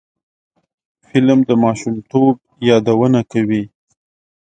فلم د ماشومتوب یادونه کوي